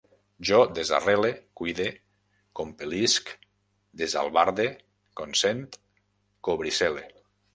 Jo desarrele, cuide, compel·lisc, desalbarde, consent, cobricele